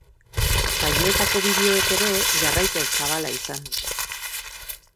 Saioetako bideoek ere jarraipen zabala izan dute.